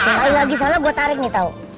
sekali lagi salah gue tarik nih tau